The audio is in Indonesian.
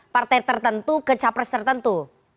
partai tertentu ke capres tertentu